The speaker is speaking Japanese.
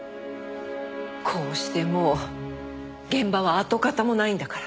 こうしてもう現場は跡形もないんだから。